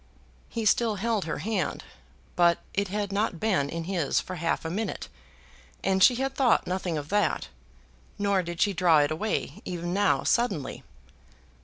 He still held her hand; but it had not been in his for half a minute, and she had thought nothing of that, nor did she draw it away even now suddenly.